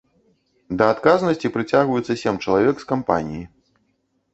Да адказнасці прыцягваюцца сем чалавек з кампаніі.